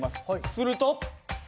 すると。